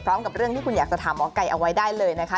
เรื่องที่คุณอยากจะถามหมอไก่เอาไว้ได้เลยนะคะ